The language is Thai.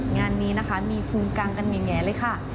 งานนี้นะคะมีภูมิกลางกันแง่เลยค่ะ